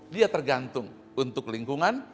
dia tergantung untuk lingkungan